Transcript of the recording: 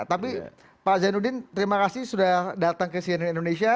tapi pak zainuddin terima kasih sudah datang ke cnn indonesia